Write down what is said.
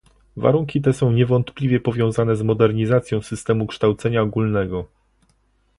Warunki te są niewątpliwie powiązane z modernizacją systemu kształcenia ogólnego